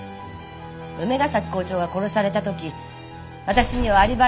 梅ヶ崎校長が殺された時私にはアリバイがあるんですよ。